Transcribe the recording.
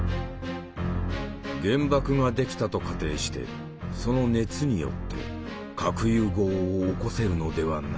「原爆が出来たと仮定してその熱によって核融合を起こせるのではないか」。